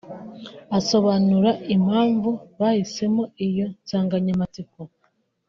Asobanura impamvu bahisemo iyo nsanganyamatsiko